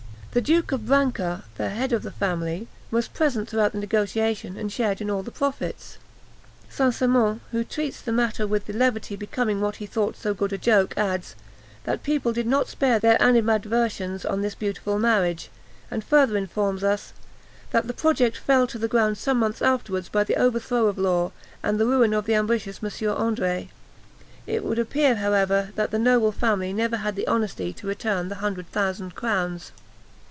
The Duke of Brancas, the head of the family, was present throughout the negotiation, and shared in all the profits. St. Simon, who treats the matter with the levity becoming what he thought so good a joke, adds, "that people did not spare their animadversions on this beautiful marriage," and further informs us, "that the project fell to the ground some months afterwards by the overthrow of Law, and the ruin of the ambitious Monsieur André." It would appear, however, that the noble family never had the honesty to return the hundred thousand crowns.